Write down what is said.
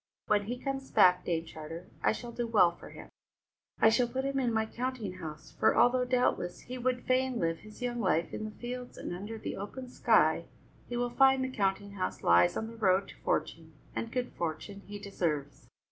When he comes back, Dame Charter, I shall do well for him; I shall put him in my counting house, for, although doubtless he would fain live his young life in the fields and under the open sky, he will find the counting house lies on the road to fortune, and good fortune he deserves."